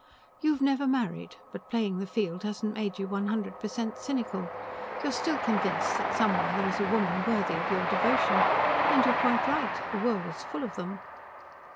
"You've never married, but playing the field hasn't made you one hundred per cent cynical. You're still convinced that somewhere there is a woman worthy of your devotion. And you're quite right the world is full of them."